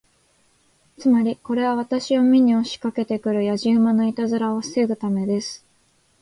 つまり、これは私を見に押しかけて来るやじ馬のいたずらを防ぐためです。